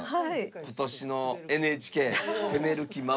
今年のＮＨＫ攻める気満々です。